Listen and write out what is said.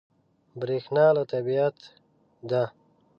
برېښنا له طبیعت ده.